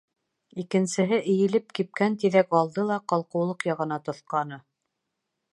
Икенсеһе, эйелеп, кипкән тиҙәк алды ла ҡалҡыулыҡ яғына тоҫҡаны...